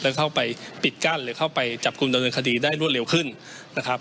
แล้วเข้าไปปิดกั้นหรือเข้าไปจับกลุ่มดำเนินคดีได้รวดเร็วขึ้นนะครับ